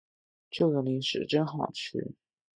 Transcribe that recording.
这个零食真好吃